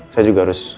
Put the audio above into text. saya juga harus